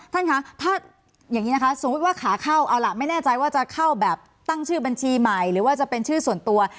ท่านคะถ้าอย่างนี้นะคะสมมุติว่าขาเข้าเอาล่ะไม่แน่ใจว่าจะเข้าแบบตั้งชื่อบัญชีใหม่หรือว่าจะเป็นชื่อส่วนตัว